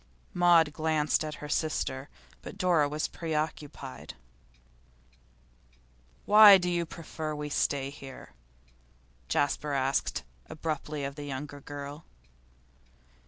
Maud glanced at her sister, but Dora was preoccupied. 'Why do you prefer to stay here?' Jasper asked abruptly of the younger girl.